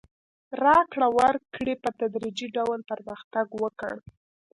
راکړې ورکړې په تدریجي ډول پرمختګ وکړ.